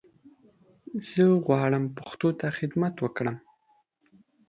زه غواړم پښتو ته خدمت وکړم